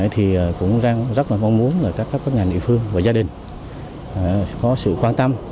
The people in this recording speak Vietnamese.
thì cũng rất là mong muốn các nhà địa phương và gia đình có sự quan tâm